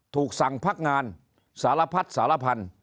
ถูกสั่งพักงานสารพัดสารพันธุ์